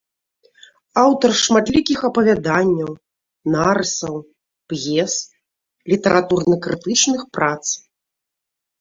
Аўтар шматлікіх апавяданняў, нарысаў, п'ес, літаратурна-крытычных прац.